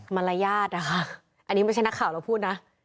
มารยาทนะคะอันนี้ไม่ใช่นักข่าวเราพูดนะ